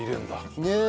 ねえ。